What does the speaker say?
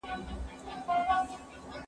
که څوک عروض ونه لولي نو شعر نسي څېړلی.